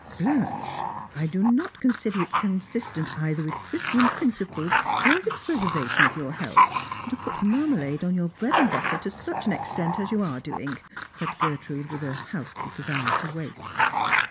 "Blanche, I do not consider it consistent either witli Christian principles or the preservation of your health, to put marmalade on your bread and butter to such an extent as you are doing! " said Gertrude, with a housekeeper's eye to waste.